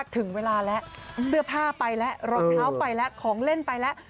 ถึงเวลาแล้วเสื้อผ้าไปแล้วรองเท้าไปแล้วของเล่นไปแล้ว